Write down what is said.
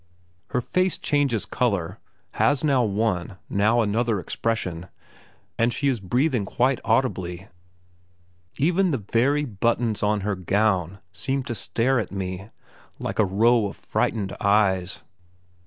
Her face changes colour, has now one, now another expression, and she is breathing quite audibly even the very buttons on her gown seem to stare at me, like a row of frightened eyes.